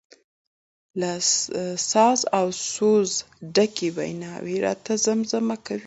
له ساز او سوزه ډکې ویناوي راته زمزمه کوي.